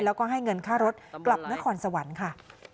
แล้วก็ให้เงินค่ารถกลับนครสวรรค์ค่ะ